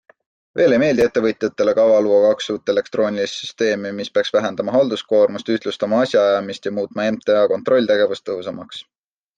Veel ei meeldi ettevõtjatele kava luua kaks uut elektroonilist süsteemi, mis peaks vähendama halduskoormust, ühtlustama asjaajamist ja muutma MTA kontrolltegevust tõhusamaks.